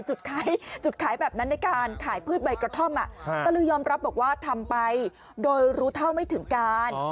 จุดขายแบบนั้นในการขายพืชใบกระท่อมตะลือยอมรับบอกว่าทำไปโดยรู้เท่าไม่ถึงการ